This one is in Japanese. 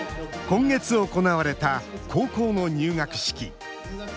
今月、行われた高校の入学式。